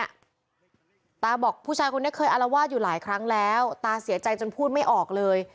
ตาบอกผู้ชายคนนี้เคยอารวาสอยู่หลายครั้งแล้วตาเสียใจจนพูดไม่ออกเลย